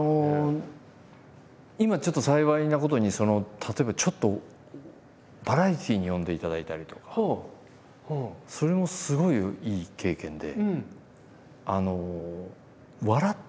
今ちょっと幸いなことに例えばちょっとバラエティーに呼んでいただいたりとかそれもすごいいい経験で。